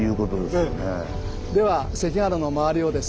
では関ケ原の周りをですね